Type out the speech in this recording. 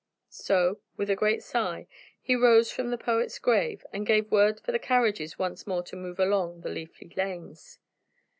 So, with a great sigh, he rose from the poet's grave, and gave word for the carriages once more to move along the leafy lanes.